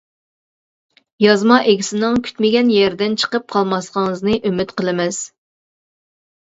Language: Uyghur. يازما ئىگىسىنىڭ كۈتمىگەن يېرىدىن چىقىپ قالماسلىقىڭىزنى ئۈمىد قىلىمىز.